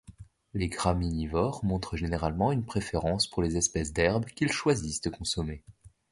Les graminivores montrent généralement une préférence pour les espèces d'herbe qu'ils choisissent de consommer.